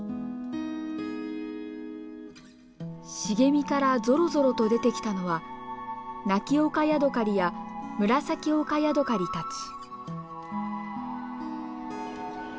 茂みからゾロゾロと出てきたのはナキオカヤドカリやムラサキオカヤドカリたち。